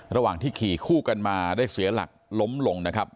ระหว่างที่ขี่คู่กันมาได้เสียหลักล้มลงนะครับ